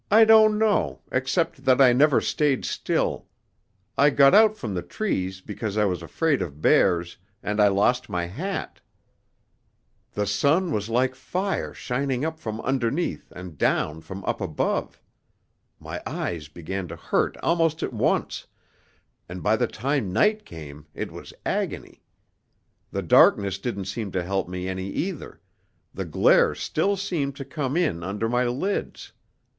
"I don't know except that I never stayed still. I got out from the trees because I was afraid of bears, and I lost my hat. The sun was like fire shining up from underneath and down from up above. My eyes began to hurt almost at once, and by the time night came, it was agony. The darkness didn't seem to help me any either; the glare still seemed to come in under my lids.